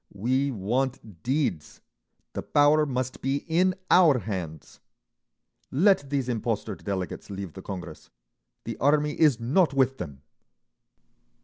We want deeds—the Power must be in our hands!' Let these impostor delegates leave the Congress! The Army is not with them!"